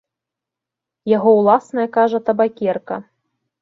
Яго ўласная, кажа, табакерка!